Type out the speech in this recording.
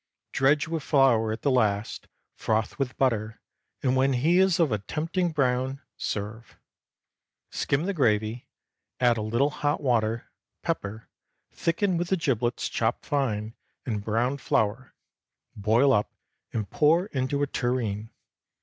Dredge with flour at the last, froth with butter, and when he is of a tempting brown, serve. Skim the gravy, add a little hot water, pepper, thicken with the giblets chopped fine and browned flour, boil up, and pour into a tureen.